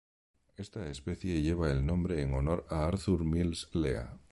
Esta especie lleva el nombre en honor a Arthur Mills Lea.